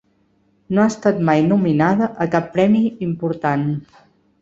No ha estat mai nominada a cap premi important.